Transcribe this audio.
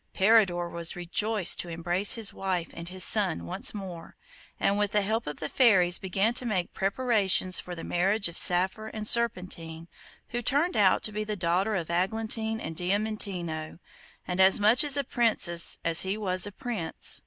Peridor was rejoiced to embrace his wife and his son once more, and with the help of the fairies began to make preparations for the marriage of Saphir and Serpentine, who turned out to be the daughter of Aglantine and Diamantino, and as much a princess as he was a prince.